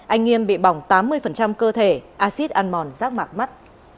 anh nghiêm bị bỏng tám mươi cơ thể acid ăn mòn rác mạc mắt